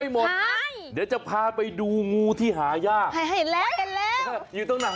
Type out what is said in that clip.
ไม่หมดนะเดี๋ยวจะพาไปดูงูที่หายากอยู่ตรงนั้น